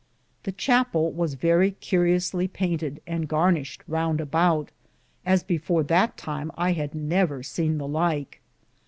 This chapell was verrie curiusly paynted and garnished round aboute, as before that time I had never scene the lyke.